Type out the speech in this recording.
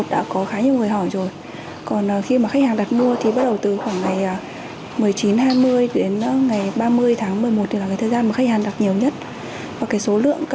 đã có đơn đặt hàng